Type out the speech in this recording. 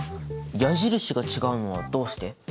矢印が違うのはどうして？